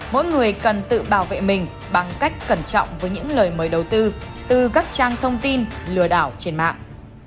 mỗi người cần tự bảo vệ mình bằng cách cẩn trọng với những lời mời đầu tư từ các trang thông tin lừa đảo trên mạng